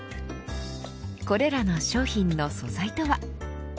これらの商品の素材とは。